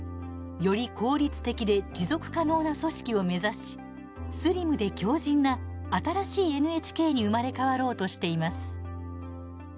より効率的で持続可能な組織を目指しスリムで強じんな新しいＮＨＫに生まれ変わろうとしています。